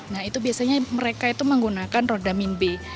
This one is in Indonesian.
nah itu biasanya mereka itu menggunakan rodamin b